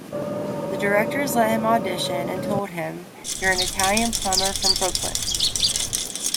The directors let him audition and told him, "You're an Italian plumber from Brooklyn".